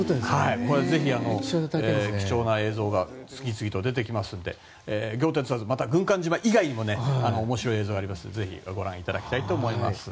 ぜひ、貴重な映像が次々と出てくるのでまた軍艦島以外も面白い映像がありますのでぜひご覧いただきたいと思います。